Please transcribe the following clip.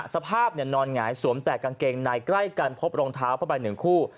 สภาพนอนหงายสวมแตกกางเกงในใกล้กันพบรองเท้าพอไป๑คู่